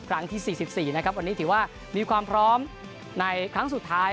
ที่๔๔นะครับวันนี้ถือว่ามีความพร้อมในครั้งสุดท้าย